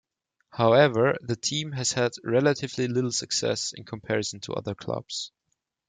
However, the team has had relatively little success in comparison to other clubs.